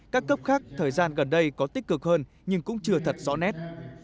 các cấp khác thời gian gần đây có tích cực hơn nhưng cũng chưa thật rõ nét